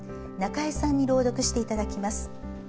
中江さんに朗読していただきます。